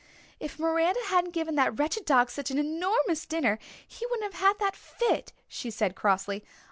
"If Miranda hadn't given that wretched dog such an enormous dinner he wouldn't have had that fit," she said crossly.